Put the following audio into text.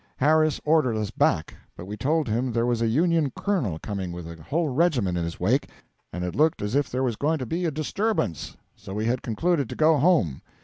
Harris ordered us back; but we told him there was a Union colonel coming with a whole regiment in his wake, and it looked as if there was going to be a disturbance; so we had concluded to go home.